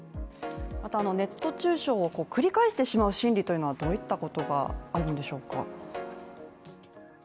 ネット中傷を繰り返してしまう心理はどういったことがあるんでしょうか。